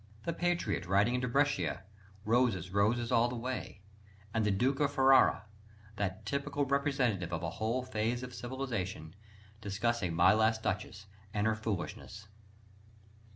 The "Patriot," riding into Brescia, "roses, roses all the way," and the Duke of Ferrara, that "typical representative of a whole phase of civilisation," discussing My Last Duchess and her foolishness.